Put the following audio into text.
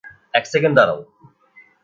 এক সেকেন্ড দাঁড়াও।